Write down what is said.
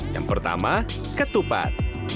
yang pertama ketupat